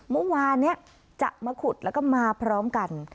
มุมวานเนี่ยจะมาขุดแล้วก็มาพร้อมกัน